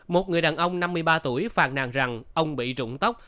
một người đàn ông năm mươi ba tuổi phàn nàn rằng ông bị trụng tóc